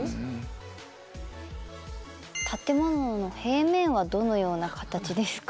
「建物の平面はどのような形ですか？」。